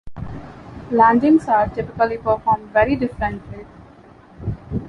Landings are typically performed very differently.